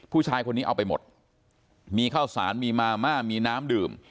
ผู้ชายคนนี้เอาไปหมดมีข้าวสารมีมาม่ามีน้ำดื่ม